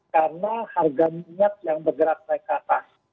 karena harga minyak yang bergerak naik ke atas